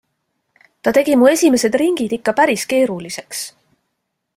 Ta tegi mu esimesed ringid ikka päris keeruliseks.